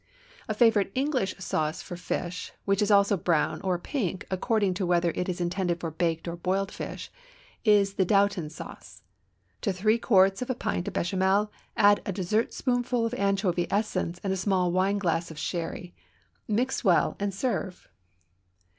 A favorite English sauce for fish, which is also brown or pink, according to whether it is intended for baked or boiled fish, is the Downton sauce. To three quarters of a pint of béchamel add a dessertspoonful of anchovy essence and a small wineglass of sherry, mix well, and serve.